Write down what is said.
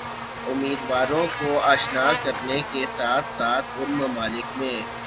امیدواروں کو آشنا کرنے کے ساتھ ساتھ ان ممالک میں